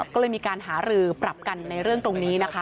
ก็เลยมีการหารือปรับกันในเรื่องตรงนี้นะคะ